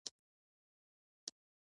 جانداد د زړونو نږدېوالی جوړوي.